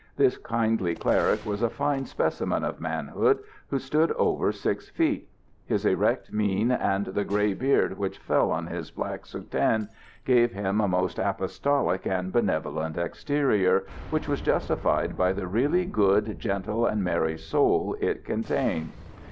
This kindly cleric was a fine specimen of manhood, who stood over six feet. His erect mien and the grey beard which fell on his black soutane gave him a most apostolic and benevolent exterior, which was justified by the really good, gentle and merry soul it contained.